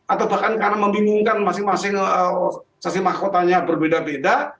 atau bahkan karena membingungkan masing masing saksi mahkotanya berbeda beda